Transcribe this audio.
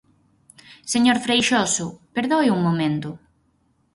Señor Freixoso, perdoe un momento.